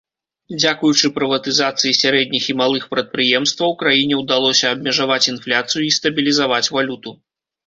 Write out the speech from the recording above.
Дзякуючы прыватызацыі сярэдніх і малых прадпрыемстваў краіне ўдалося абмежаваць інфляцыю і стабілізаваць валюту.